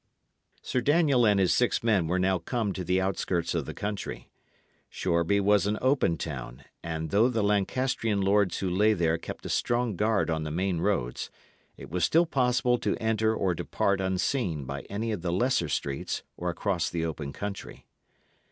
Sir Daniel and his six men were now come to the outskirts of the country. Shoreby was an open town, and though the Lancastrian lords who lay there kept a strong guard on the main roads, it was still possible to enter or depart unseen by any of the lesser streets or across the open country.